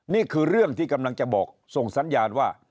นี่คือเรื่องที่กำลังจะบอกส่งสัญญาณว่า